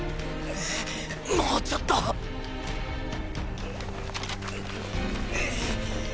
もうちょっとぐッ。